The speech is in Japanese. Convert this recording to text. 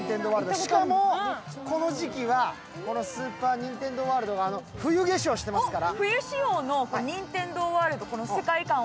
しかも、この時期はスーパー・ニンテンドー・ワールドが冬化粧してますから。